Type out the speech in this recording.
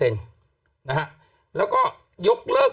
นะฮะแล้วก็ยกเลิก